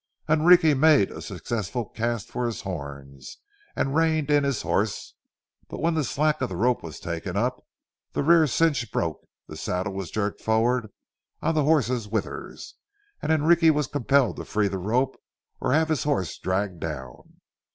Enrique made a successful cast for his horns, and reined in his horse; but when the slack of the rope was taken up the rear cinch broke, the saddle was jerked forward on the horse's withers, and Enrique was compelled to free the rope or have his horse dragged down.